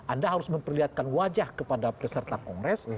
anda harus memperlihatkan wajah kepada peserta kongres